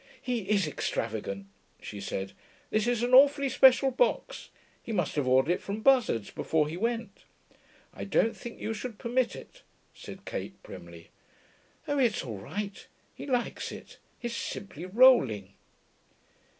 'He is extravagant,' she said. 'This is an awfully special box. He must have ordered it from Buszard's before he went.' 'I don't think you should permit it,' said Kate primly. 'Oh, it's all right. He likes it. He's simply rolling.'